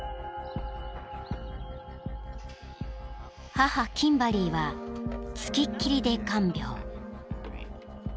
［母キンバリーは付きっきりで看病］